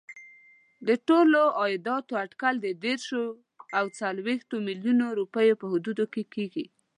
د ټولو عایداتو اټکل د دېرشو او څلوېښتو میلیونو روپیو په حدودو کې کېږي.